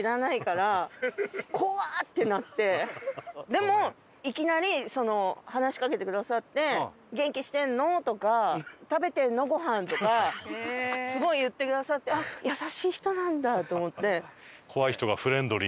でもいきなり話しかけてくださって「元気してるの？」とか「食べてるの？ごはん」とかすごい言ってくださってあっ優しい人なんだと思って。